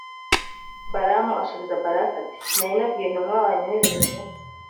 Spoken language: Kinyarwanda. balamu asubiza balaki, ati nari nabwiye intumwa wanyoherereje.